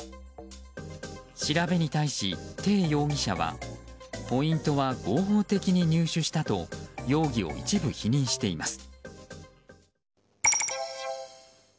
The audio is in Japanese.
調べに対し、テイ容疑者はポイントは合法的に入手したと容疑を一部否認しています。